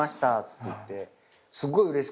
って言って。